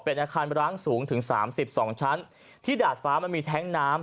เป็นอาคารร้างสูงถึงสามสิบสองชั้นที่ดาดฟ้ามันมีแท้งน้ำ